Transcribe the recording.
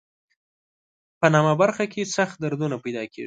په نامه برخه کې سخت دردونه پیدا کېږي.